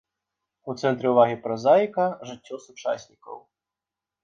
У цэнтры ўвагі празаіка жыццё сучаснікаў.